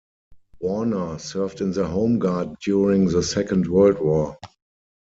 Warner served in the Home Guard during the Second World War.